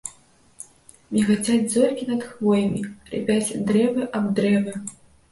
Мігацяць зоркі над хвоямі, рыпяць дрэвы аб дрэвы.